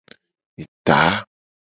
Eta.